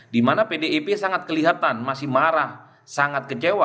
dimana pdip sangat kelihatan masih marah sangat kecewa